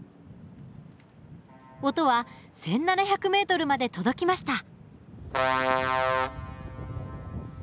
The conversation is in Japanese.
音は１，７００ｍまで届きました。